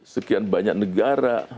sekian banyak negara